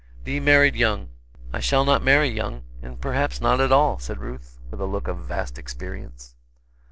"Thee married young. I shall not marry young, and perhaps not at all," said Ruth, with a look of vast experience.